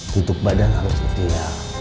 tutup badan harus setia